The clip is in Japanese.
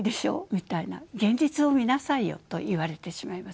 みたいな「現実を見なさいよ」と言われてしまいます。